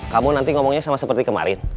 kamu nanti ngomongnya sama seperti kemarin